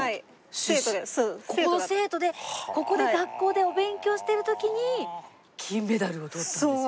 ここの生徒でここの学校でお勉強してる時に金メダルをとったんですよ。